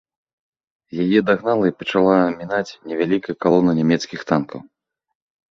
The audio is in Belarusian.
Яе дагнала і пачала мінаць невялікая калона нямецкіх танкаў.